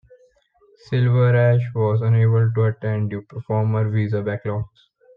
Silver Ash was unable to attend due performer visa backlogs.